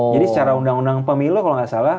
secara undang undang pemilu kalau nggak salah